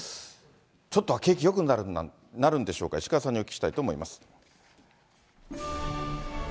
ちょっとは景気よくなるんでしょうか、石川さんにお聞きしたいと思います。